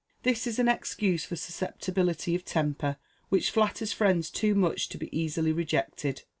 This is an excuse for susceptibility of temper which flatters friends too much to be easily rejected.